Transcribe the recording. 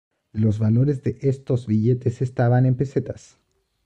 Los valores de estos billetes estaban en pesetas.